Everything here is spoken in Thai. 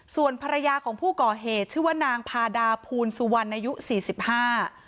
ส่วนภรรยาของผู้ก่อเหตุชื่อว่านางพาดาภูลสุวรรณอายุสี่สิบห้า